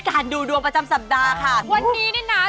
แต่ลูกนี่หูพิษจริงเลยนะ